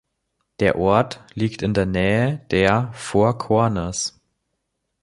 Der Ort liegt in der Nähe der Four Corners.